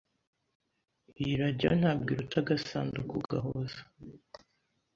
Iyi radio ntabwo iruta agasanduku gahuza. (al_ex_an_der)